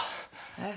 えっ？